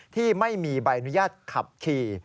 ที่ไม่มีใบอนุญาตขับขี่